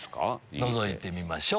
のぞいてみましょう。